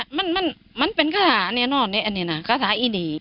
จังว่ามันเป็นคาศาเนี่ยเนี่ยเนี่ยนะคาศาอีดี